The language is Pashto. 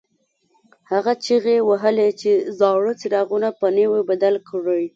هغه چیغې وهلې چې زاړه څراغونه په نویو بدل کړئ.